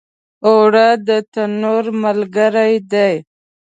اوړه د تنور ملګری دي